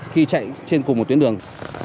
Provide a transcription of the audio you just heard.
khi chạy trên cùng một tuyến đường